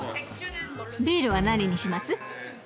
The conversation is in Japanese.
ビールは何にします？